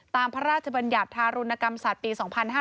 พระราชบัญญัติธารุณกรรมสัตว์ปี๒๕๕๙